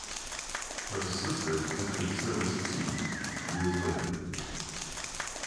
Her sister entered service two years later.